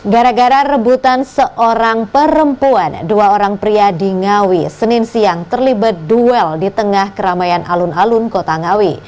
gara gara rebutan seorang perempuan dua orang pria di ngawi senin siang terlibat duel di tengah keramaian alun alun kota ngawi